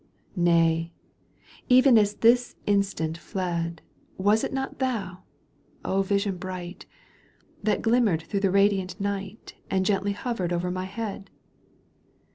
Kay ! even as this instant fled. Was it not thou, vision bright. That glimmered through the radiant night And gently hovered o'er my head